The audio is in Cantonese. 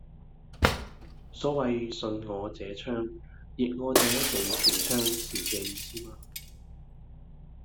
所謂順我者昌、逆我者亡是這意思嗎？